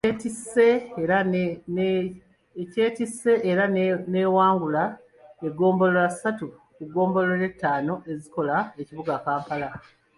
Ekyetisse era n’ewangula eggombolola ssatu ku ggombolola ttaano ezikola ekibuga Kampala.